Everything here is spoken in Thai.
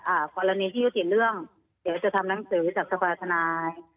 กรณีที่ยุติเรื่องเดี๋ยวจะทำหนังสือจากสภาธนาย